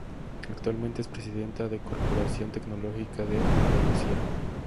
Actualmente, es presidenta de Corporación Tecnológica de Andalucía.